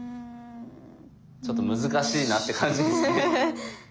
ちょっと難しいなって感じですね。